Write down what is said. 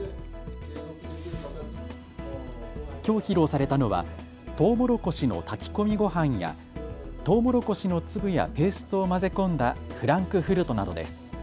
きょう披露されたのはとうもろこしの炊き込みご飯やとうもろこしの粒やペーストを混ぜ込んだフランクフルトなどです。